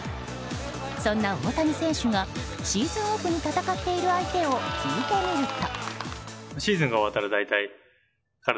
そんな大谷選手がシーズンオフに戦っている相手を聞いてみると。